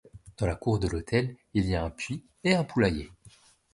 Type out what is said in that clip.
Dans la cour de l'hôtel il y a un puits et un poulailler.